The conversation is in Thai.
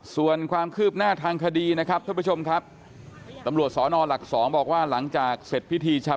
ส่วนความคืบหน้าทางคดีนะครับท่านผู้ชมครับตำรวจสนหลัก๒บอกว่าหลังจากเสร็จพิธีชา